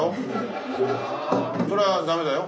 それはダメだよ。